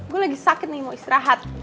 gue lagi sakit nih mau istirahat